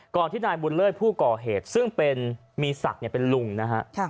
ที่นายบุญเลิศผู้ก่อเหตุซึ่งเป็นมีศักดิ์เป็นลุงนะฮะ